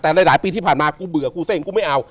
แต่หลายปีที่ผ่านมากูเบื่อกูเส้งกูไม่เอา